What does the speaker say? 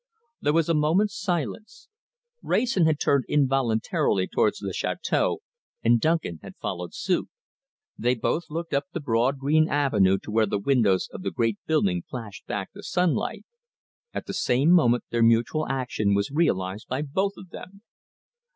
There was a moment's silence. Wrayson had turned involuntarily towards the château, and Duncan had followed suit. They both looked up the broad green avenue to where the windows of the great building flashed back the sunlight. At the same moment their mutual action was realized by both of them.